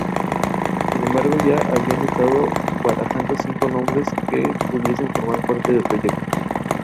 Trabajos posteriores proveyeron apoyo a estas conjeturas a diversas escalas.